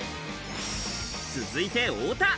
続いて、太田。